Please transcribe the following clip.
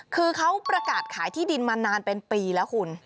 คือเขาประกาศขายที่ดินมานานเป็นปีแล้วคุณ